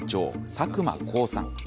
佐久間航さん。